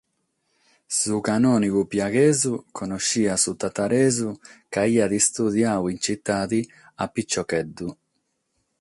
Su canònigu piaghesu connoschiat su tataresu ca aiat istudiadu in tzitade a pitzocheddu.